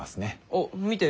あっ見て！